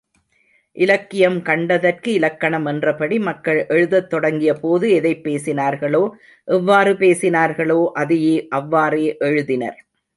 இலக்கியம் கண்டதற்கு இலக்கணம் என்றபடி, மக்கள் எழுதத் தொடங்கியபோது, எதைப் பேசினார்களோ எவ்வாறு பேசினார்களோ அதையே அவ்வாறே எழுதினர்.